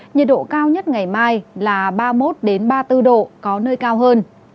nhiệt độ cao nhất ngày mai là ba mươi một ba mươi bốn độ có nơi cao hơn